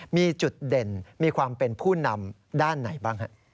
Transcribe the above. มีจุดเด่นมีความเป็นผู้นำด้านไหนบ้างฮะ